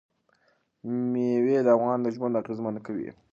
مېوې د افغانانو ژوند اغېزمن کوي.